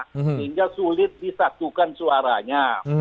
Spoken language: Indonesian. sehingga sulit disatukan suaranya